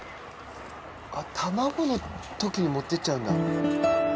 卵の時に持って行っちゃうんだ。